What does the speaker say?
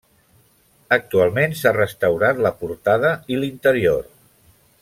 Actualment s'ha restaurat la portada i l'interior.